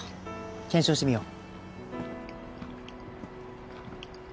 検証してみよう。